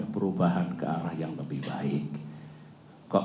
perubahan ke arah yang lebih baik